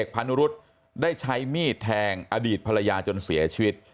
พานุรุษได้ใช้มีดแทงอดีตภรรยาจนเสียชีวิต